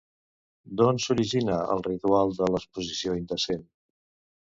D'on s'origina el ritual de l'exposició indecent?